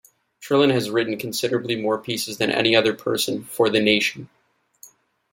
Trillin has written considerably more pieces than any other person for "The Nation".